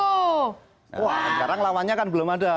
wah sekarang lawannya kan belum ada